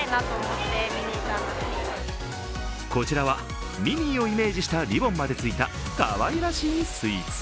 こちらは、ミニーをイメージしたリボンまでついたかわいらしいスイーツ。